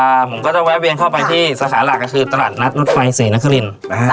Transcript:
เราจะแวะเวียนเข้าไปที่สหรัฐคือตลาดนัดนุษย์ไฟเสนอคลิน